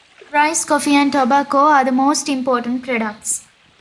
Rice, coffee and tobacco are the most important products.